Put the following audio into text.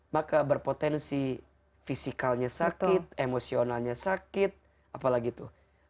maka berpotensi fisikalnya sakit emosionalnya sakit apalagi itu